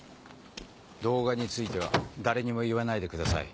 動画については誰にも言わないでください。